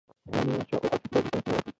پلار مې وفات شوی، خدای دې جنتونه ورکړي